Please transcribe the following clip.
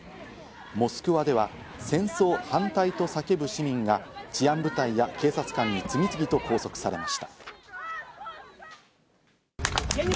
モスクワでは「戦争反対」と叫ぶ市民が治安部隊や警察官に次々と拘束されました。